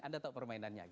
anda tahu permainannya